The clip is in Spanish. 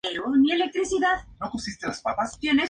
Robinson no depende únicamente de la energía nuclear.